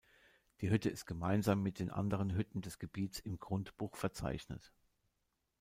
Die Hütte ist gemeinsam mit den anderen Hütten des Gebietes im Grundbuch verzeichnet.